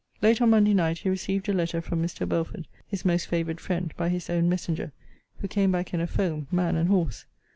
Late on Monday night he received a letter from Mr. Belford, his most favoured friend, by his own messenger; who came back in a foam, man and horse.